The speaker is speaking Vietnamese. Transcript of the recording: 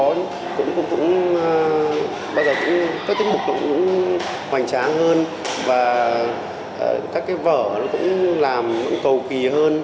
cũng bao giờ cũng các tiết mục nó cũng hoành tráng hơn và các cái vở nó cũng làm cầu kỳ hơn